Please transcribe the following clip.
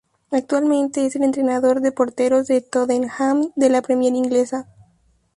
Actualmente es el entrenador de porteros del Tottenham de la Premier inglesa.